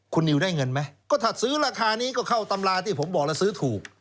คุณนิวได้เงินไหมก็ถ้าซื้อราคานี้ก็เข้าตำราที่ผมบอกแล้วซื้อถูก